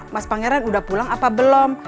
mas pangeran udah pulang apa belum